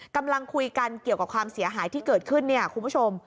กำลังคุยกันเกี่ยวกับความเสียหายที่เกิดขึ้นเนี่ยคุณผู้ชม